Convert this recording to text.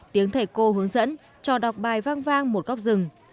tiếng thầy cô hướng dẫn cho đọc bài vang một góc rừng